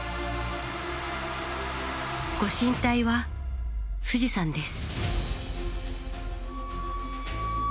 ご神体は富士山です。